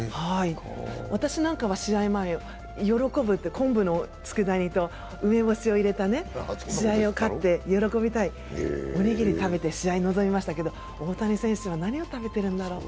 私なんかは試合前、「よろこぶ」って昆布のつくだ煮と梅干しを入れた試合を勝って喜びたい、おにぎりを食べて試合に臨みましたけど、大谷選手は何を食べてるんだろう。